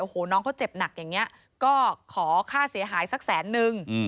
โอ้โหน้องเขาเจ็บหนักอย่างนี้ก็ขอค่าเสียหายสักแสนนึง